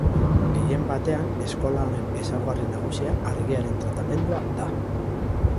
Gehien batean eskola honen ezaugarri nagusia argiaren tratamendua da.